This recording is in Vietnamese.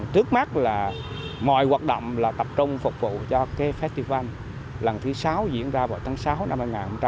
trước mắt là mọi hoạt động là tập trung phục vụ cho cái festival lần thứ sáu diễn ra vào tháng sáu năm hai nghìn hai mươi